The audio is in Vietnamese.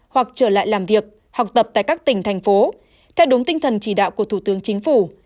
hoặc trở lại làm việc học tập tại các tỉnh thành phố theo đúng tinh thần chỉ đạo của thủ tướng chính phủ